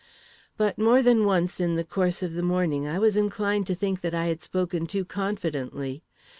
But more than once in the course of the morning, I was inclined to think that I had spoken too confidently.